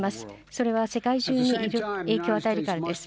それは世界中に影響を与えるからです。